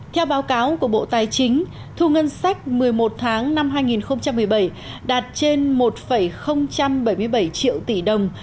theo báo cáo của bộ tài chính thu ngân sách một mươi một tháng năm hai nghìn một mươi bảy đạt trên một bảy mươi bảy triệu tỷ đồng